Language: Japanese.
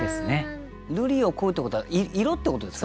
「瑠璃を恋ふ」ってことは色ってことですか？